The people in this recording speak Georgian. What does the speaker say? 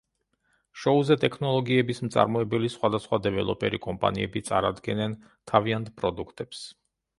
შოუზე ტექნოლოგიების მწარმოებელი სხვადასხვა დეველოპერი კომპანიები წარადგენენ თავიანთ პროდუქტებს.